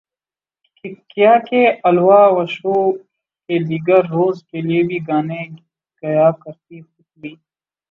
کیا کے الوا وو شو کے دیگر رولز کے لیے بھی گانے گیا کرتی پتلی